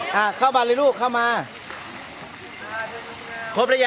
ดูเกี่ยวมากครับ